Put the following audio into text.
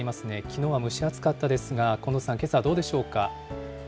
きのうは蒸し暑かったですが、近藤さん、けさはどうでしょうか。